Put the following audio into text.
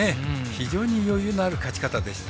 非常に余裕のある勝ち方でした。